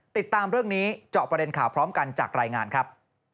ติดตามเรื่องนี้เจาะประเด็นข่าวพร้อมกันจากรายงานครับ